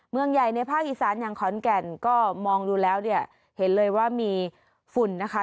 เมืองใหญ่ในภาคอีสานอย่างขอนแก่นก็มองดูแล้วเนี่ยเห็นเลยว่ามีฝุ่นนะคะ